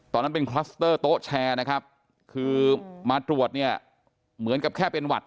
ตอนนั้นเป็นคลัสเตอร์โต๊ะแชร์นะครับคือมาตรวจเนี่ยเหมือนกับแค่เป็นหวัด